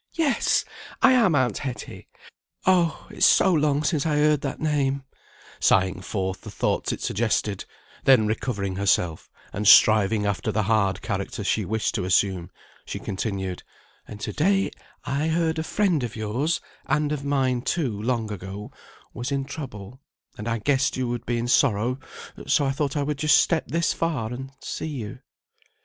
"Yes! I am aunt Hetty. Oh! it's so long since I heard that name," sighing forth the thoughts it suggested; then recovering herself, and striving after the hard character she wished to assume, she continued: "And to day I heard a friend of yours, and of mine too, long ago, was in trouble, and I guessed you would be in sorrow, so I thought I would just step this far and see you."